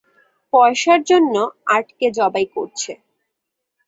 পয়সার জন্য আর্টকে জবাই করছে।